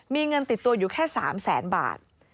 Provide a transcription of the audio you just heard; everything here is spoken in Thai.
มีเงินติดตัวอยู่แค่๓แสนบาท